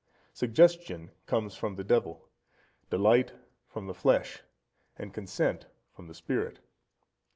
Suggestion comes from the Devil, delight from the flesh, and consent from the spirit.